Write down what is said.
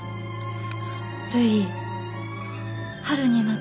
るい。